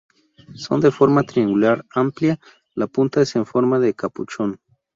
Son de forma triangular amplia, la punta es en forma de capuchón.